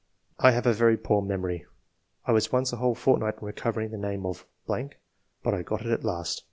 "I have a very poor memory; I was once a whole fortnight in recovering the name of ...., but I got it at last.